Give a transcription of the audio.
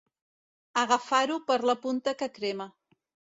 Agafar-ho per la punta que crema.